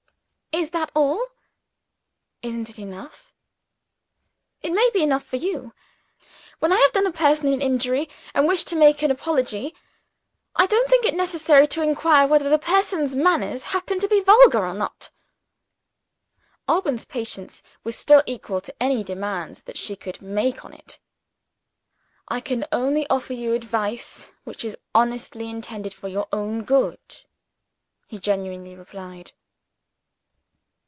"Is that all?" "Isn't it enough?" "It may be enough for you. When I have done a person an injury, and wish to make an apology, I don't think it necessary to inquire whether the person's manners happen to be vulgar or not." Alban's patience was still equal to any demands that she could make on it. "I can only offer you advice which is honestly intended for your own good," he gently replied.